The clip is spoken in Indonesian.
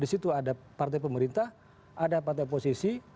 di situ ada partai pemerintah ada partai oposisi